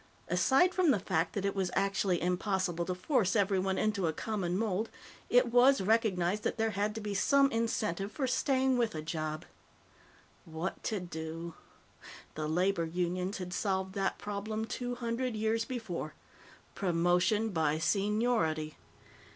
Aside from the fact that it was actually impossible to force everyone into a common mold, it was recognized that there had to be some incentive for staying with a job. What to do? The labor unions had solved that problem two hundred years before. Promotion by seniority.